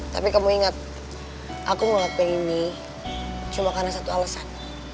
tapi kamu ingat aku ngelakuin ini cuma karena satu alasan